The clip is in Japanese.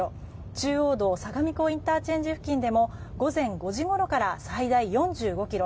中央道相模湖ＩＣ付近でも午前５時ごろから最大４５ｋｍ